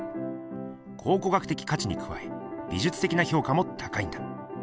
考古学的価値にくわえ美じゅつ的な評価も高いんだ。